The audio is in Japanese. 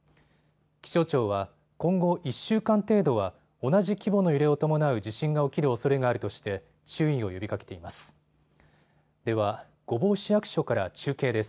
気象庁は今後１週間程度は同じ規模の揺れを伴う地震が起きるおそれがあるとして注意を呼びかけています。